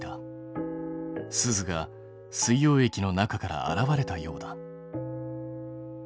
スズが水溶液の中から現れたようだ。